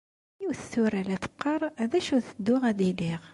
Yiwet tura la teqqar: d acu tedduɣ ad iliɣ?